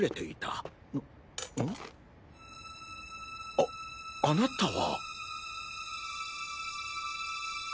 ああなたは？